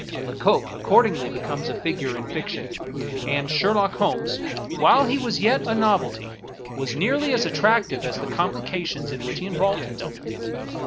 Lecoq accordingly becomes a figure in fiction, and Sherlock, while he was as yet a 9 American Mystery Stories novelty, was nearly as attractive as the complications in which he involved himself.